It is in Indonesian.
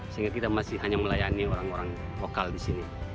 sehingga kita masih hanya melayani orang orang lokal di sini